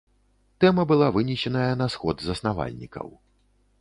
Тэма была вынесеная на сход заснавальнікаў.